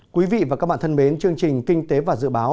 quý vị và các bạn thân mến chương trình kinh tế và dự báo